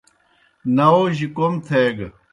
ناؤجیْ کوْم تھیگہ۔